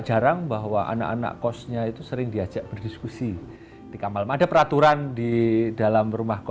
jarang bahwa anak anak kosnya itu sering diajak berdiskusi di kamar ada peraturan di dalam rumah